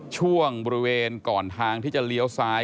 ช่วงบริเวณก่อนทางที่จะเลี้ยวซ้าย